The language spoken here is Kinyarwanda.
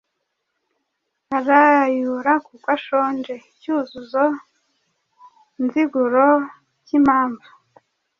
Arayura kuko ashonje. icyuzuzo nziguro k’impamvu